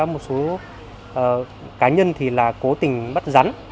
một số cá nhân thì là cố tình bắt rắn